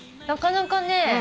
なかなかね。